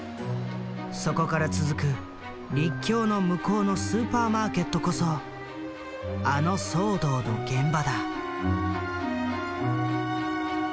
そこから続く陸橋の向こうのスーパーマーケットこそあの騒動の現場だ。